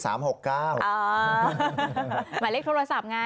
หมายเลขโทรศัพท์ไง